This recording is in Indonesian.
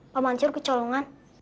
pak mancur kecolongan